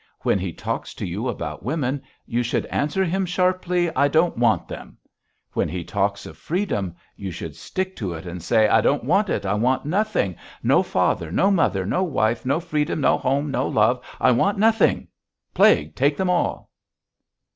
When he talks to you about women you should answer him sharply: 'I don't want them!' When he talks of freedom, you should stick to it and say: 'I don't want it. I want nothing! No father, no mother, no wife, no freedom, no home, no love! I want nothing.' Plague take 'em all."